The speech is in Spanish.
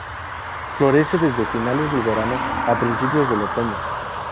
Florece desde finales del verano a principios del otoño.